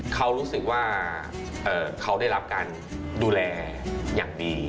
เขารู้สึกว่าเขาได้รับการดูแลอย่างดี